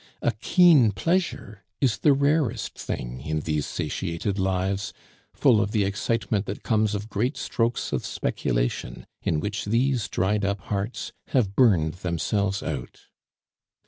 A keen pleasure is the rarest thing in these satiated lives, full of the excitement that comes of great strokes of speculation, in which these dried up hearts have burned themselves out.